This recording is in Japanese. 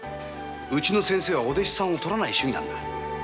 うちの先生はお弟子さんを取らない主義なんだ。